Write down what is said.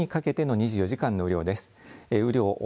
今夜遅くにかけての２４時間の雨量です。